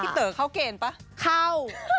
เต๋อเข้าเกณฑ์ป่ะเข้า